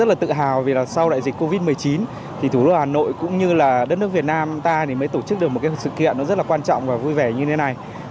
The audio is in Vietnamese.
thủ đô hà nội cũng như đất nước việt nam ta mới tổ chức được một sự kiện rất quan trọng và vui vẻ như thế này